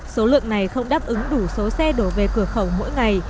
số lượng này không đáp ứng đủ số xe đổ về cửa khẩu mỗi ngày